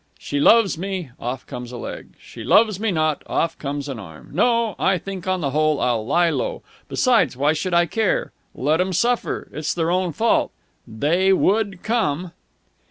'She loves me!' Off comes a leg. 'She loves me not!' Off comes an arm. No, I think on the whole I'll lie low. Besides, why should I care? Let 'em suffer. It's their own fault. They would come!"